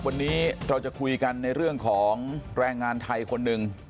วันนี้เราจะคุยกันในเรื่องของแรงงานไทยคนหนึ่ง